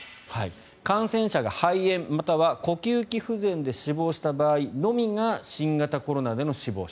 感染者が肺炎または呼吸器不全で死亡した場合のみが新型コロナでの死亡者。